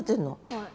はい。